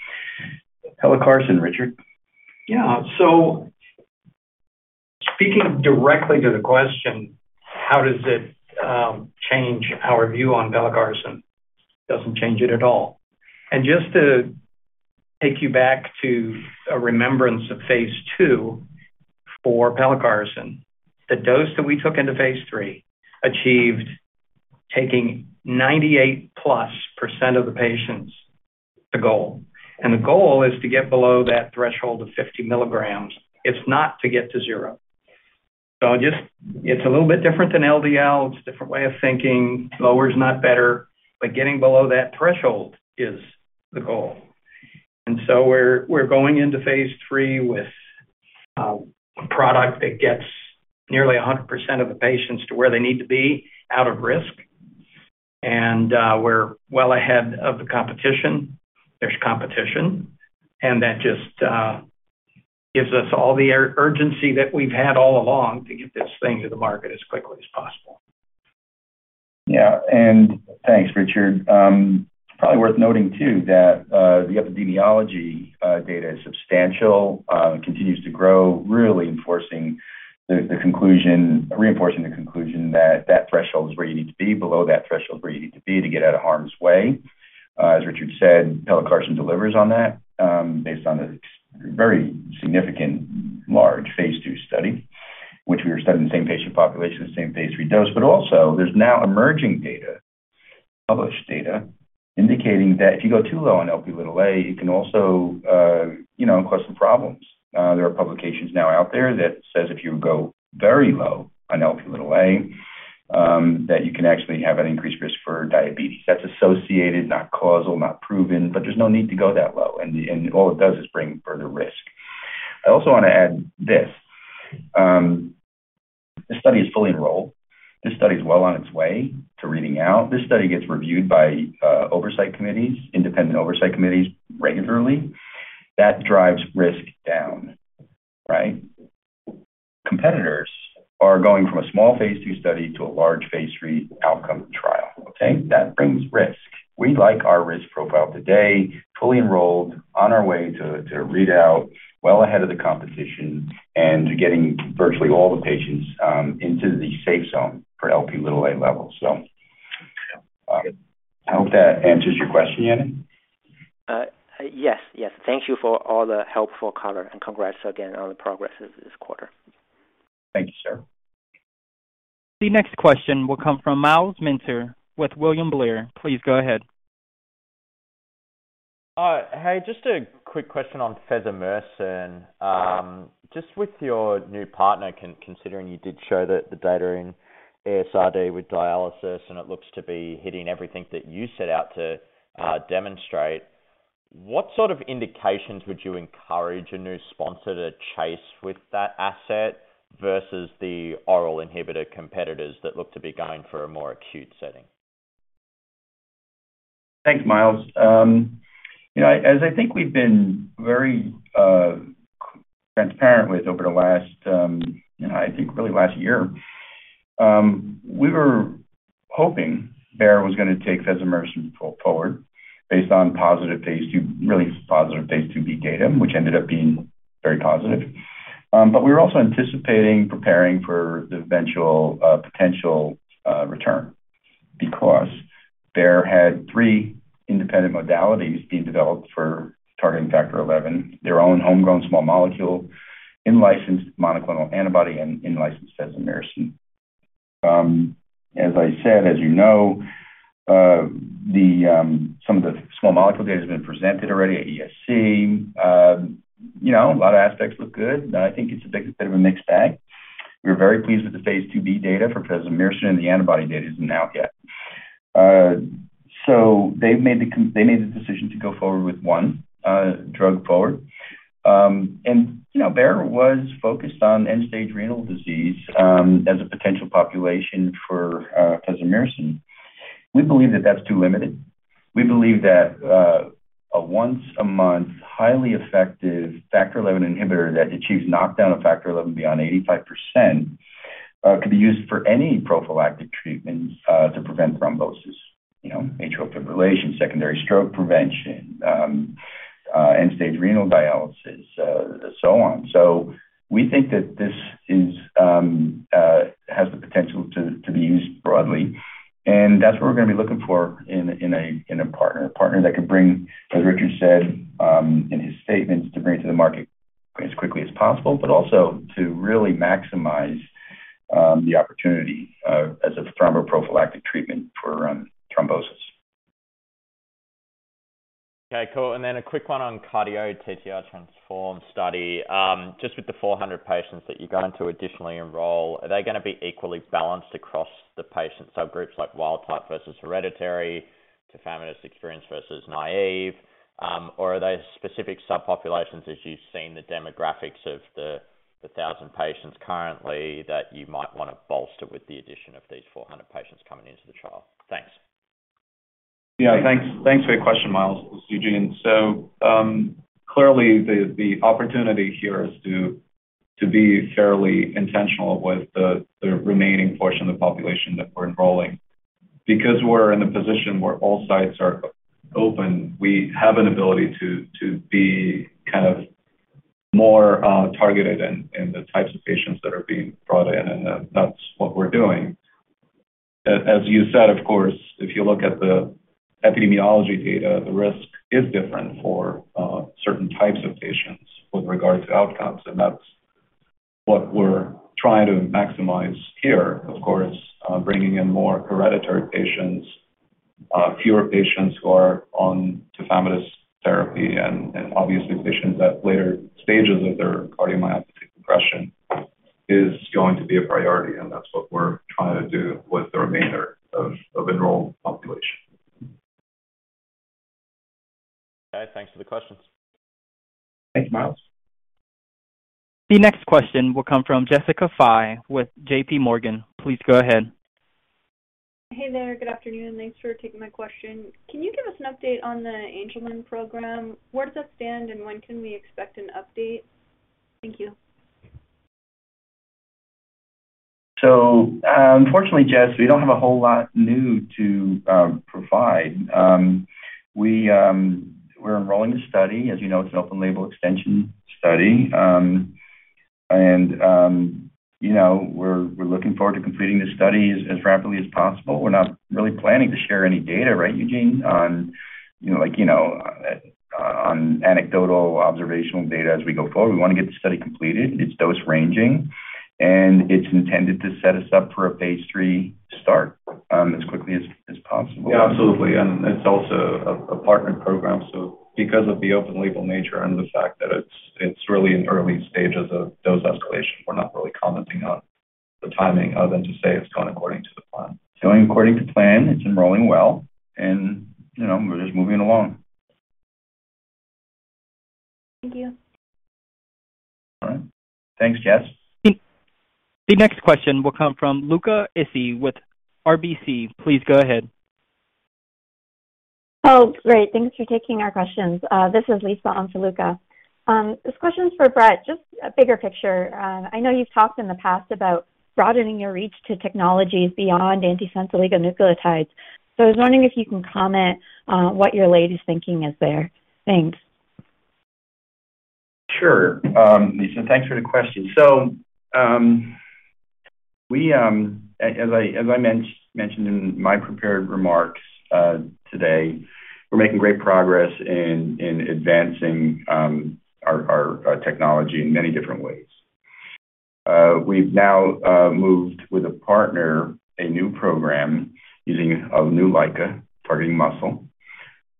Pelacarsen, Richard. Yeah, speaking directly to the question, how does it change our view on pelacarsen? Doesn't change it at all. Just to take you back to a reminder of phase 2 for pelacarsen, the dose that we took into phase 3 achieved taking 98%+ of the patients to goal. The goal is to get below that threshold of 50 milligrams. It's not to get to zero. Just, it's a little bit different than LDL. It's a different way of thinking. Lower is not better, but getting below that threshold is the goal. We're going into phase 3 with a product that gets nearly 100% of the patients to where they need to be out of risk. We're well ahead of the competition. There's competition, and that just gives us all the urgency that we've had all along to get this thing to the market as quickly as possible. Yeah. Thanks, Richard. Probably worth noting too that the epidemiology data is substantial, continues to grow, reinforcing the conclusion that that threshold is where you need to be, below that threshold is where you need to be to get out of harm's way. As Richard said, pelacarsen delivers on that, based on a very significant large phase 2 study, which we were studying the same patient population, the same phase 3 dose. Also, there's now emerging data, published data indicating that if you go too low on Lp(a), you can also, you know, cause some problems. There are publications now out there that says if you go very low on Lp(a), that you can actually have an increased risk for diabetes. That's associated, not causal, not proven, but there's no need to go that low. All it does is bring further risk. I also wanna add this. This study is fully enrolled. This study is well on its way to reading out. This study gets reviewed by oversight committees, independent oversight committees regularly. That drives risk down, right? Competitors are going from a small phase two study to a large phase three outcome trial, okay? That brings risk. We like our risk profile today, fully enrolled, on our way to read out, well ahead of the competition, and getting virtually all the patients into the safe zone for Lp levels. I hope that answers your question, Yanan. Yes. Thank you for all the helpful color, and congrats again on the progress this quarter. Thank you, sir. The next question will come from Myles Minter with William Blair. Please go ahead. Hey, just a quick question on fesomersen. Just with your new partner considering you did show the data in ESRD with dialysis and it looks to be hitting everything that you set out to demonstrate, what sort of indications would you encourage a new sponsor to chase with that asset versus the oral inhibitor competitors that look to be going for a more acute setting? Thanks, Miles. You know, as I think we've been very transparent with you over the last, you know, I think really last year, we were hoping Bayer was gonna take fesomersen forward based on positive phase 2b, really positive phase 2b data, which ended up being very positive. But we were also anticipating preparing for the eventual potential return because Bayer had three independent modalities being developed for targeting factor eleven: their own homegrown small molecule, in-licensed monoclonal antibody, and in-licensed fesomersen. As I said, as you know, the some of the small molecule data has been presented already at ESC. You know, a lot of aspects look good. I think it's a bit of a mixed bag. We're very pleased with the phase 2b data for fesomersen, the antibody data isn't out yet. They made the decision to go forward with one drug forward. You know, Bayer was focused on end-stage renal disease as a potential population for fesomersen. We believe that that's too limited. We believe that a once a month, highly effective Factor XI inhibitor that achieves knockdown of Factor XI beyond 85% could be used for any prophylactic treatment to prevent thrombosis. You know, atrial fibrillation, secondary stroke prevention, end-stage renal dialysis, so on. We think that this has the potential to be used broadly, and that's what we're gonna be looking for in a partner. A partner that can bring, as Richard said in his statements, to bring it to the market as quickly as possible, but also to really maximize the opportunity as a thromboprophylactic treatment for thrombosis. Okay, cool. A quick one on CARDIO-TTRansform study. Just with the 400 patients that you're going to additionally enroll, are they gonna be equally balanced across the patients? Groups like wild type versus hereditary, tafamidis experience versus naive, or are they specific subpopulations as you've seen the demographics of the 1,000 patients currently that you might wanna bolster with the addition of these 400 patients coming into the trial? Thanks. Yeah. Thanks for your question, Myles. This is Eugene. Clearly the opportunity here is to be fairly intentional with the remaining portion of the population that we're enrolling. Because we're in a position where all sites are open, we have an ability to be kind of more targeted in the types of patients that are being brought in, and that's what we're doing. As you said, of course, if you look at the epidemiology data, the risk is different for certain types of patients with regard to outcomes, and that's what we're trying to maximize here. Of course, bringing in more hereditary patients, fewer patients who are on tafamidis therapy and obviously patients at later stages of their cardiomyopathy progression is going to be a priority, and that's what we're trying to do with the remainder of enrolled population. Okay. Thanks for the questions. Thanks, Myles. The next question will come from Jessica Fye with JP Morgan. Please go ahead. Hey there. Good afternoon. Thanks for taking my question. Can you give us an update on the Angelman program? Where does that stand, and when can we expect an update? Thank you. Unfortunately, Jessica, we don't have a whole lot new to provide. We're enrolling a study. As you know, it's an open label extension study. You know, we're looking forward to completing the study as rapidly as possible. We're not really planning to share any data, right, Eugene. On you know, like, you know, on anecdotal observational data as we go forward. We wanna get the study completed. It's dose ranging, and it's intended to set us up for a phase 3 start, as quickly as possible. Yeah, absolutely. It's also a partner program, so because of the open label nature and the fact that it's really in early stages of dose escalation, we're not really commenting on the timing other than to say it's going according to the plan. It's going according to plan. It's enrolling well and, you know, we're just moving along. Thank you. All right. Thanks, Jess. The next question will come from Luca Issi with RBC. Please go ahead. Oh, great. Thanks for taking our questions. This is Lisa on for Luca. This question's for Brett, just a bigger picture. I know you've talked in the past about broadening your reach to technologies beyond antisense oligonucleotides. I was wondering if you can comment, what your latest thinking is there. Thanks. Sure. Lisa, thanks for the question. We, as I mentioned in my prepared remarks, today, we're making great progress in advancing our technology in many different ways. We've now moved with a partner a new program using a new LICA targeting muscle.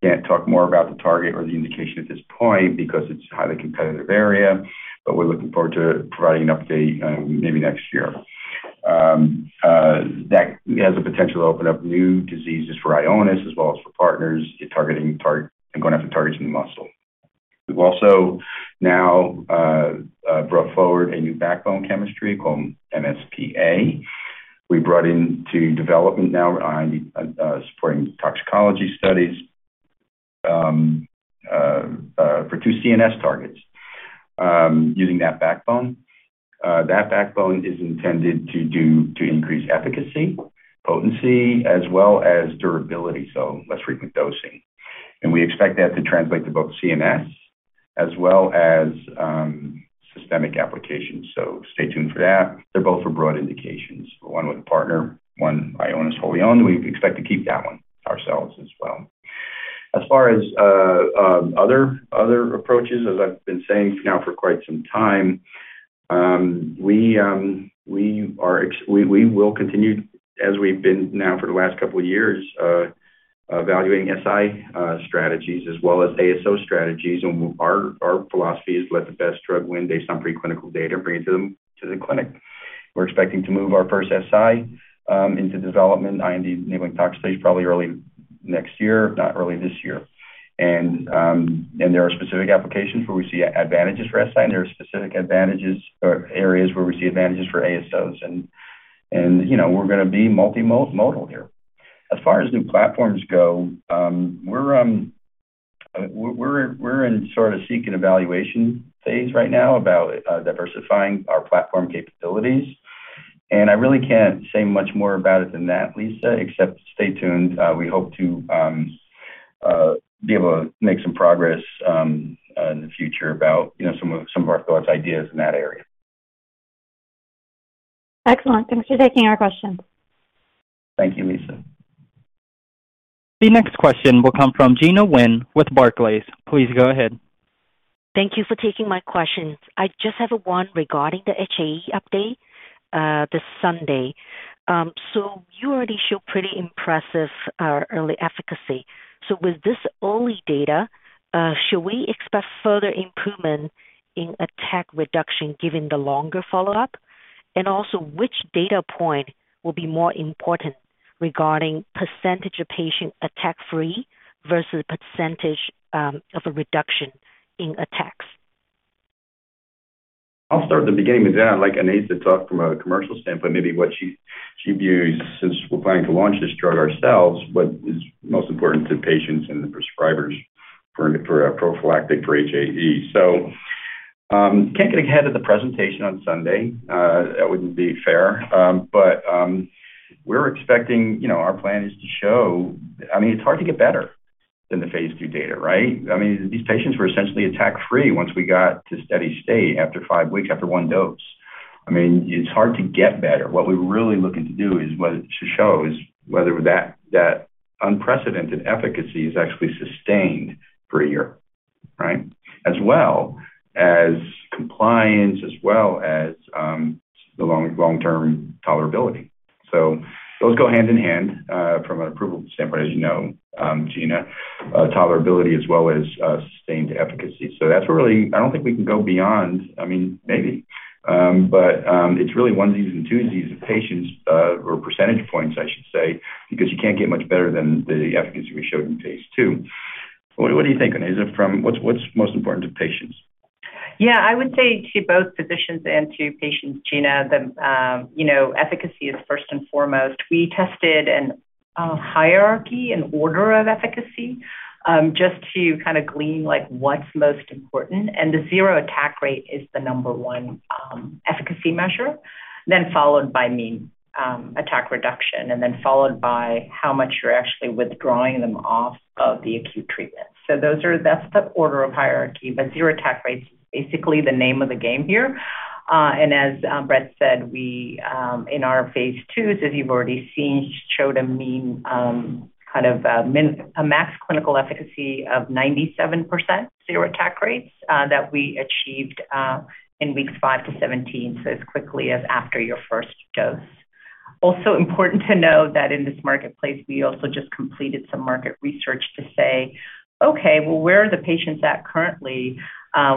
Can't talk more about the target or the indication at this point because it's a highly competitive area, but we're looking forward to providing an update, maybe next year. That has the potential to open up new diseases for Ionis as well as for partners targeting going after targets in the muscle. We've also now brought forward a new backbone chemistry called MsPA. We brought into development now on supporting toxicology studies for two CNS targets using that backbone. That backbone is intended to increase efficacy, potency, as well as durability, so less frequent dosing. We expect that to translate to both CNS as well as systemic applications. Stay tuned for that. They're both for broad indications, one with a partner, one Ionis wholly owned. We expect to keep that one ourselves as well. As far as other approaches, as I've been saying now for quite some time, we will continue as we've been now for the last couple of years, evaluating siRNA strategies as well as ASO strategies. Our philosophy is let the best drug win based on preclinical data and bring it to the clinic. We're expecting to move our first siRNA into development IND-enabling tox stage probably early next year, if not early this year. There are specific applications where we see advantages for siRNA, and there are specific advantages or areas where we see advantages for ASOs. You know, we're gonna be multi-modal here. As far as new platforms go, we're in sort of screening and evaluation phase right now about diversifying our platform capabilities. I really can't say much more about it than that, Lisa, except stay tuned. We hope to be able to make some progress in the future about, you know, some of our thoughts, ideas in that area. Excellent. Thanks for taking our question. Thank you, Lisa. The next question will come from Gena Wang with Barclays. Please go ahead. Thank you for taking my question. I just have one regarding the HAE update this Sunday. You already show pretty impressive early efficacy. With this early data, should we expect further improvement in attack reduction given the longer follow-up? And also, which data point will be more important regarding percentage of patient attack free versus percentage of a reduction in attacks? I'll start at the beginning, but then I'd like Onaiza Cadoret-Manier to talk from a commercial standpoint, maybe what she views since we're planning to launch this drug ourselves, what is most important to patients and the prescribers for a prophylactic for HAE. Can't get ahead of the presentation on Sunday. That wouldn't be fair. We're expecting, you know, our plan is to show. I mean, it's hard to get better than the phase 2 data, right? I mean, these patients were essentially attack-free once we got to steady state after 5 weeks, after 1 dose. I mean, it's hard to get better. What we're really looking to do is to show whether that unprecedented efficacy is actually sustained for a year, right? As well as compliance, as well as the long-term tolerability. Those go hand in hand from an approval standpoint, as you know, Gena, tolerability as well as sustained efficacy. That's really. I don't think we can go beyond. I mean, maybe. But it's really one disease and two disease of patients, or percentage points, I should say, because you can't get much better than the efficacy we showed in phase 2. What do you think, Onaiza. What's most important to patients? Yeah, I would say to both physicians and to patients, Gena, you know, efficacy is first and foremost. We tested a hierarchy, an order of efficacy, just to kind of glean, like, what's most important. The zero attack rate is the number one efficacy measure, then followed by mean attack reduction, and then followed by how much you're actually withdrawing them off of the acute treatment. Those are. That's the order of hierarchy, but zero attack rate's basically the name of the game here. As Brett said, we in our phase twos, as you've already seen, showed a mean, kind of a max clinical efficacy of 97% zero attack rates, that we achieved, in weeks 5 to 17, so as quickly as after your first dose. Also important to note that in this marketplace we also just completed some market research to say, "Okay, well, where are the patients at currently,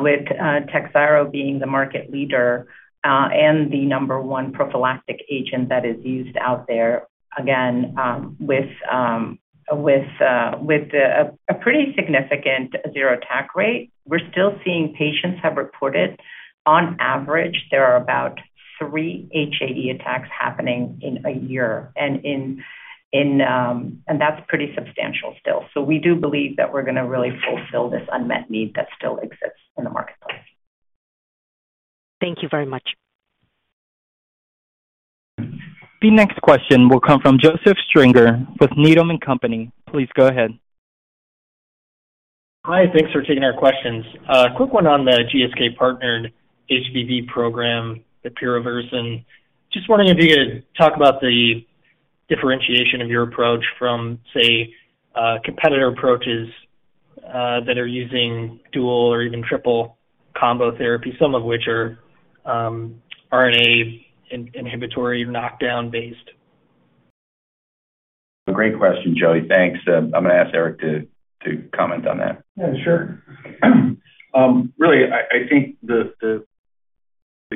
with Takhzyro being the market leader, and the number one prophylactic agent that is used out there?" Again, with a pretty significant zero attack rate. We're still seeing patients have reported on average there are about 3 HAE attacks happening in a year. That's pretty substantial still. We do believe that we're gonna really fulfill this unmet need that still exists in the marketplace. Thank you very much. The next question will come from Joseph Stringer with Needham & Company. Please go ahead. Hi, thanks for taking our questions. A quick one on the GSK partnered HBV program, the bepirovirsen. Just wondering if you could talk about the differentiation of your approach from, say, competitor approaches that are using dual or even triple combo therapy, some of which are RNAi-inhibitory knockdown based. A great question, Joey. Thanks. I'm gonna ask Eric to comment on that. Yeah, sure. Really, I think the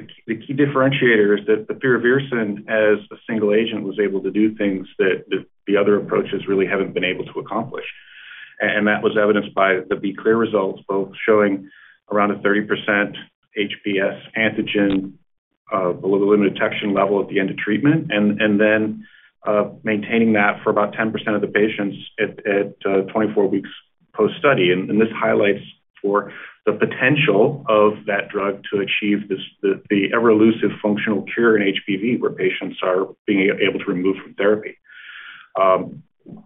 key differentiator is that bepirovirsen as a single agent was able to do things that the other approaches really haven't been able to accomplish. That was evidenced by the B-CLEAR results, both showing around a 30% HBsAg below the limit of detection level at the end of treatment, and then maintaining that for about 10% of the patients at 24 weeks post-study. This highlights the potential of that drug to achieve the ever-elusive functional cure in HBV, where patients are being able to remove from therapy.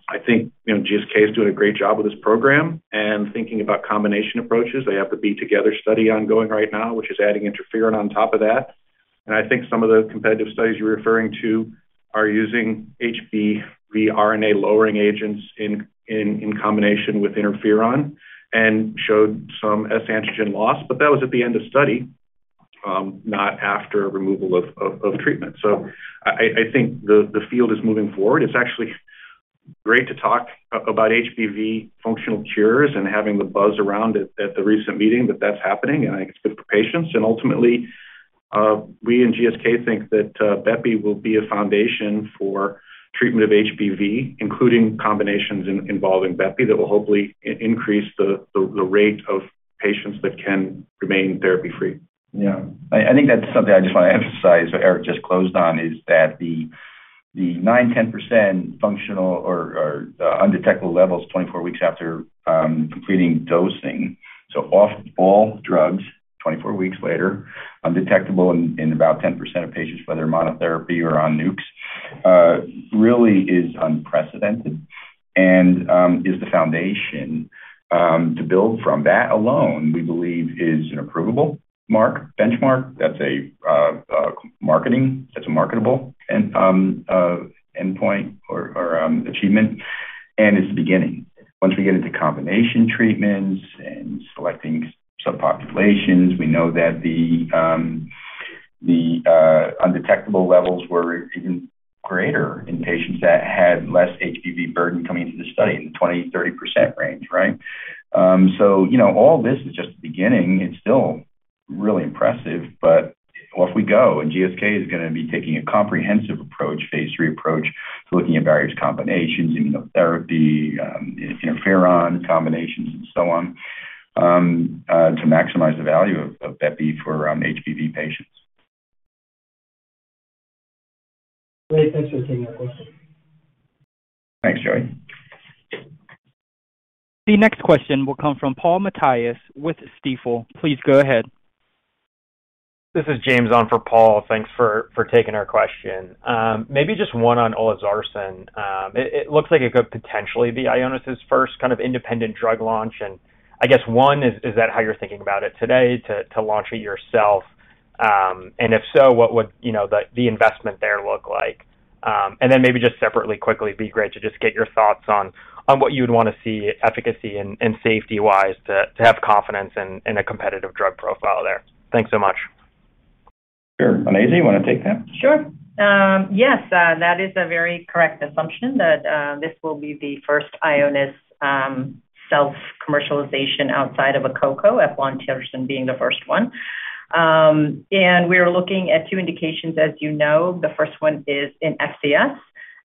I think, you know, GSK is doing a great job with this program and thinking about combination approaches. They have the B-Together study ongoing right now, which is adding interferon on top of that. I think some of the competitive studies you're referring to are using HBV RNA lowering agents in combination with interferon and showed some HBsAg loss. That was at the end of study, not after removal of treatment. I think the field is moving forward. It's actually great to talk about HBV functional cures and having the buzz around it at the recent meeting that that's happening, and I think it's good for patients. Ultimately, we in GSK think that bepi will be a foundation for treatment of HBV, including combinations involving bepi that will hopefully increase the rate of patients that can remain therapy-free. Yeah. I think that's something I just wanna emphasize what Eric just closed on, is that the 9-10% functional or undetectable levels 24 weeks after completing dosing, so off all drugs 24 weeks later, undetectable in about 10% of patients, whether monotherapy or on nucs, really is unprecedented and is the foundation to build from. That alone, we believe is an approvable mark, benchmark. That's a marketable endpoint or achievement. It's the beginning. Once we get into combination treatments and selecting subpopulations, we know that the undetectable levels were even greater in patients that had less HBV burden coming into the study in the 20-30% range, right? You know, all this is just the beginning. It's still really impressive, but off we go. GSK is gonna be taking a comprehensive approach, phase 3 approach to looking at various combinations, immunotherapy, interferon combinations and so on, to maximize the value of bepirovirsen for HBV patients. Great. Thanks for taking our question. Thanks, Joseph. The next question will come from Paul Matteis with Stifel. Please go ahead. This is James on for Paul Matteis. Thanks for taking our question. Maybe just one on olezarsen. It looks like it could potentially be Ionis' first kind of independent drug launch. I guess one is that how you're thinking about it today to launch it yourself? If so, what would, you know, the investment there look like? Then maybe just separately, quickly, it'd be great to just get your thoughts on what you would wanna see efficacy and safety-wise to have confidence in a competitive drug profile there. Thanks so much. Sure. Onaiza, you wanna take that? Sure. Yes, that is a very correct assumption that this will be the first Ionis self-commercialization outside of Akcea, eplontersen being the first one. We are looking at 2 indications, as you know. The first one is in FCS,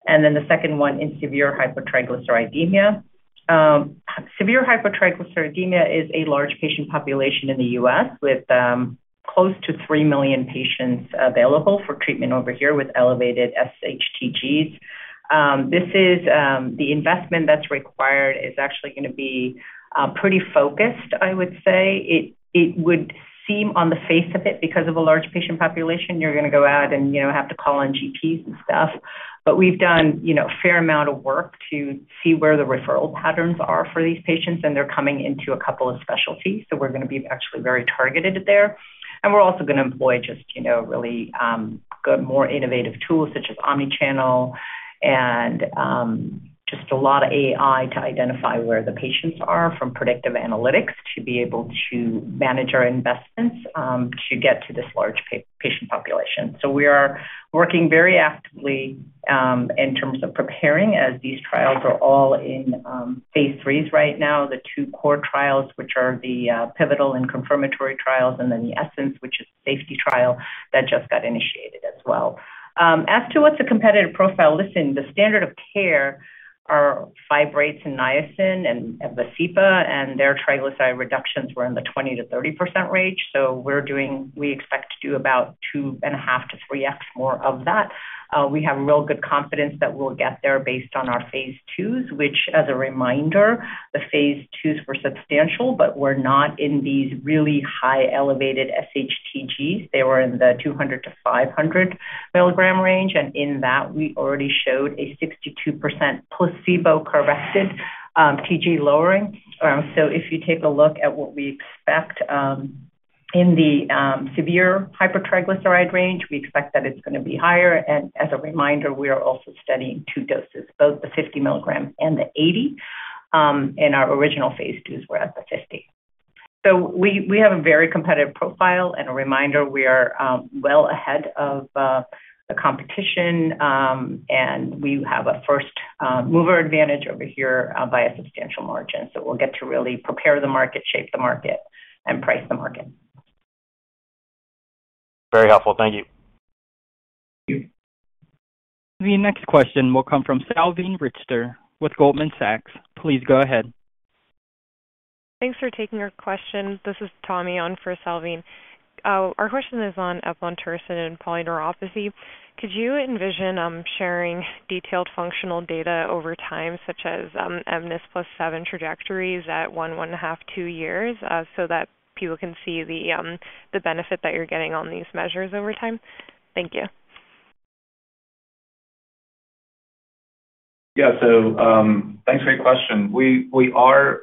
and then the second one in severe hypertriglyceridemia. Severe hypertriglyceridemia is a large patient population in the US with close to 3 million patients available for treatment over here with elevated SHTGs. This is the investment that's required is actually gonna be pretty focused, I would say. It would seem on the face of it, because of a large patient population, you're gonna go out and you know have to call on GPs and stuff. We've done, you know, a fair amount of work to see where the referral patterns are for these patients, and they're coming into a couple of specialties. We're gonna be actually very targeted there. We're also gonna employ just, you know, really, good, more innovative tools such as omni-channel and, just a lot of AI to identify where the patients are from predictive analytics to be able to manage our investments, to get to this large patient population. We are working very actively in terms of preparing as these trials are all in phase 3s right now. The 2 core trials, which are the pivotal and confirmatory trials, and then the ESSENCE, which is safety trial that just got initiated as well. As to what's the competitive profile, listen, the standard of care are fibrates and niacin and Vascepa, and their triglyceride reductions were in the 20%-30% range. We expect to do about 2.5-3x more of that. We have real good confidence that we'll get there based on our phase 2s, which as a reminder, the phase 2s were substantial, but were not in these really high elevated SHTGs. They were in the 200-500 milligram range. In that, we already showed a 62% placebo-corrected TG lowering. If you take a look at what we expect in the severe hypertriglyceridemia range, we expect that it's gonna be higher. As a reminder, we are also studying two doses, both the 50 milligram and the 80. Our original phase 2s were at the 50. We have a very competitive profile. A reminder, we are well ahead of the competition, and we have a first mover advantage over here by a substantial margin. We'll get to really prepare the market, shape the market, and price the market. Very helpful. Thank you. Thank you. The next question will come from Salveen Richter with Goldman Sachs. Please go ahead. Thanks for taking our question. This is Tommy on for Salveen. Our question is on eplontersen and polyneuropathy. Could you envision sharing detailed functional data over time, such as mNIS+7 trajectories at 1.5, 2 years, so that people can see the benefit that you're getting on these measures over time? Thank you. Yeah. Thanks for your question. We are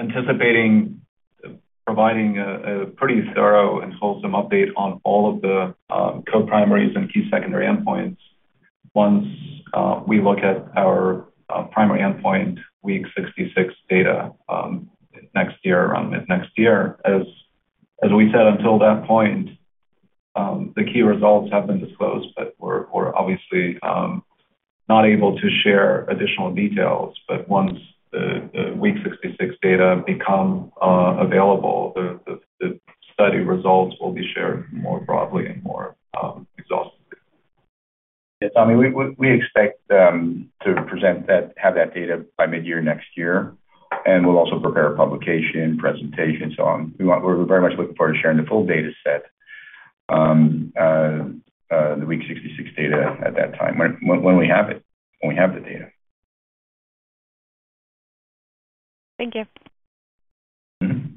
anticipating providing a pretty thorough and wholesome update on all of the co-primaries and key secondary endpoints once we look at our primary endpoint week 66 data next year, around mid-next year. As we said until that point, the key results have been disclosed, but we're obviously not able to share additional details. Once the week 66 data become available, the study results will be shared more broadly and more exhaustively. Yes, Tommy, we expect to have that data by mid-year next year, and we'll also prepare a publication, presentation, so on. We're very much looking forward to sharing the full data set, the week 66 data at that time when we have it, when we have the data. Thank you. Mm-hmm.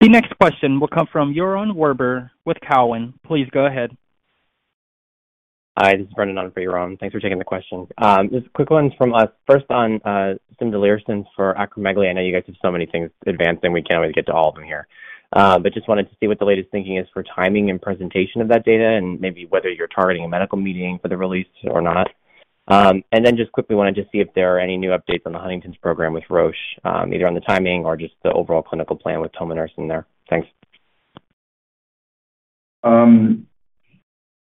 The next question will come from Yaron Werber with Cowen. Please go ahead. Hi, this is Brendan on for Yaron. Thanks for taking the questions. Just quick ones from us. First on cimdelirsen for acromegaly. I know you guys have so many things advancing, we can't really get to all of them here. But just wanted to see what the latest thinking is for timing and presentation of that data and maybe whether you're targeting a medical meeting for the release or not. And then just quickly wanted to see if there are any new updates on the Huntington's program with Roche, either on the timing or just the overall clinical plan with tominersen there. Thanks.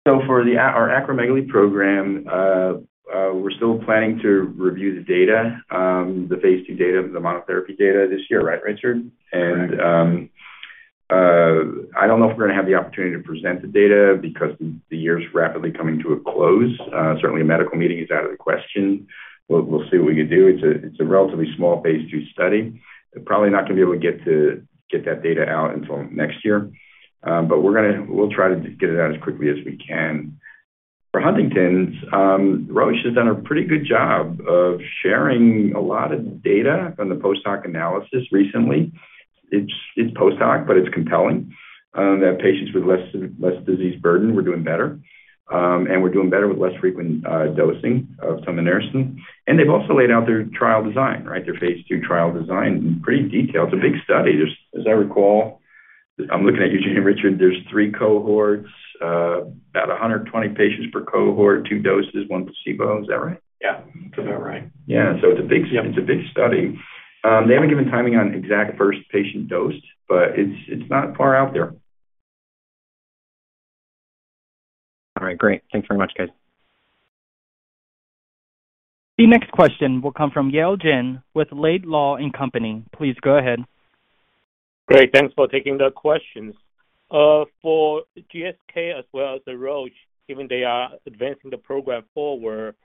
For our acromegaly program, we're still planning to review the data, the phase 2 data, the monotherapy data this year, right, Richard? Correct. I don't know if we're gonna have the opportunity to present the data because the year's rapidly coming to a close. Certainly a medical meeting is out of the question. We'll see what we can do. It's a relatively small phase 2 study. Probably not gonna be able to get that data out until next year. We're gonna try to get it out as quickly as we can. For Huntington's, Roche has done a pretty good job of sharing a lot of data on the post-hoc analysis recently. It's post-hoc, but it's compelling that patients with less disease burden were doing better and were doing better with less frequent dosing of tominersen. They've also laid out their trial design, right? Their phase 2 trial design in pretty detail. It's a big study. There's, as I recall, I'm looking at you, Richard, there's 3 cohorts, about 120 patients per cohort, 2 doses, 1 placebo. Is that right? Yeah. That's about right. Yeah. It's a big- Yeah. It's a big study. They haven't given timing on exact first patient dose, but it's not far out there. All right. Great. Thanks very much, guys. The next question will come from Yale Jen with Laidlaw & Company. Please go ahead. Great. Thanks for taking the questions. For GSK as well as Roche, given they are advancing the program forward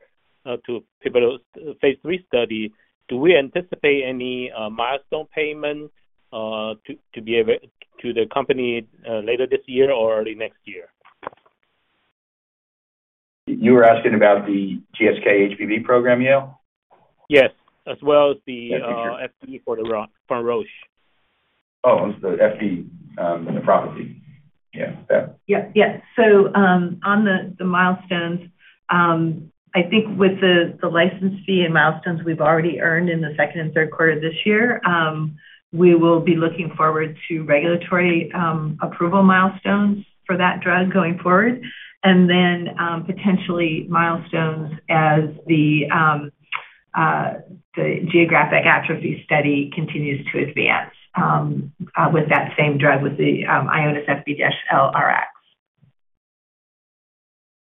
to pivotal phase 3 study, do we anticipate any milestone payments to the company later this year or early next year? You were asking about the GSK HBV program, Yale? Yes. As well as the Yes, sure. HD for Roche. Oh, it's the HD, and the property. Yeah. Beth? On the milestones, I think with the license fee and milestones we've already earned in the second and third quarter this year, we will be looking forward to regulatory approval milestones for that drug going forward, and then potentially milestones as the geographic atrophy study continues to advance with that same drug, with the IONIS-FB-LRx.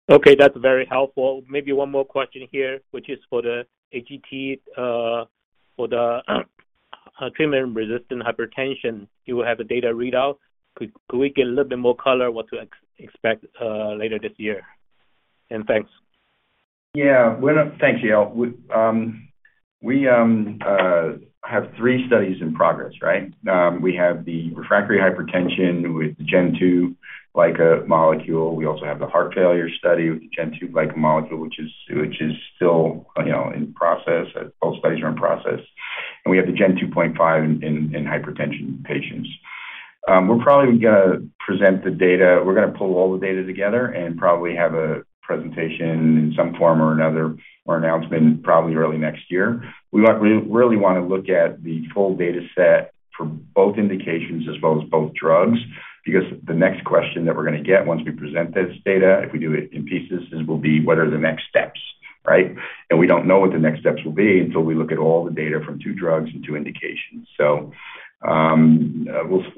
Okay. That's very helpful. Maybe one more question here, which is for the AGT, for the treatment-resistant hypertension. Do we have a data readout? Could we get a little bit more color what to expect later this year? Thanks. Yeah. Thank you, Yale. We have three studies in progress, right? We have the refractory hypertension with the Gen 2 LICA molecule. We also have the heart failure study with the Gen 2 LICA molecule, which is still, you know, in process. Both studies are in process. We have the Gen 2.5 in hypertension patients. We're probably gonna present the data. We're gonna pull all the data together and probably have a presentation in some form or another or announcement probably early next year. We want, we really wanna look at the full data set for both indications as well as both drugs because the next question that we're gonna get once we present this data, if we do it in pieces, is what are the next steps, right? We don't know what the next steps will be until we look at all the data from two drugs and two indications.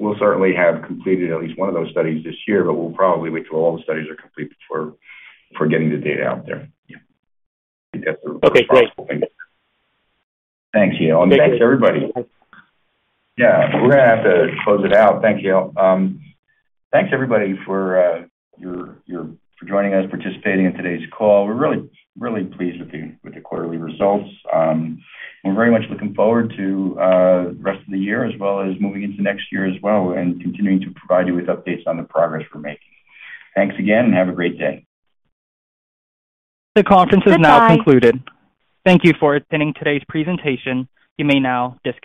We'll certainly have completed at least one of those studies this year, but we'll probably wait till all the studies are complete before getting the data out there. Yeah. Okay, great. It's the responsible thing to do. Thanks, Yale. Thank you. Thanks, everybody. Yeah. We're gonna have to close it out. Thanks, Yale. Thanks, everybody, for your joining us, participating in today's call. We're really pleased with the quarterly results. We're very much looking forward to the rest of the year as well as moving into next year as well and continuing to provide you with updates on the progress we're making. Thanks again, and have a great day. The conference is now concluded. Bye-bye. Thank you for attending today's presentation. You may now disconnect.